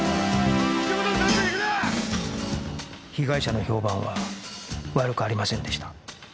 被害者の評判は悪くありませんでした